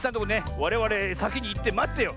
われわれさきにいってまってよう。